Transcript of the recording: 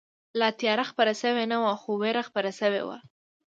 لا تیاره خپره شوې نه وه، خو وېره خپره شوې وه.